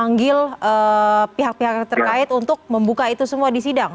memanggil pihak pihak terkait untuk membuka itu semua di sidang